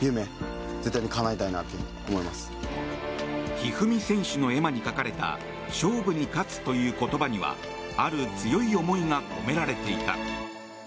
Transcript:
一二三選手の絵馬に書かれた「勝負に勝つ」という言葉にはある強い思いが込められていた。